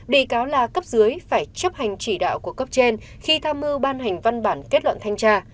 bị cáo là cấp dưới phải chấp hành chỉ đạo của cấp trên khi tham mưu ban hành văn bản kết luận thanh tra